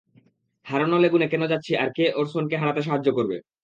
হারানো লেগুনে কেন যাচ্ছি আর কে ওরসনকে হারাতে সাহায্য করবে?